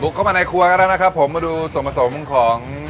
ลุกเข้ามาในครัวก็ได้นะครับมาดูส่งผสมของ